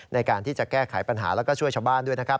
ในการที่จะแก้ไขปัญหาแล้วก็ช่วยชาวบ้านด้วยนะครับ